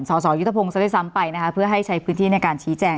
สสยุทธพงศ์ซะด้วยซ้ำไปนะคะเพื่อให้ใช้พื้นที่ในการชี้แจง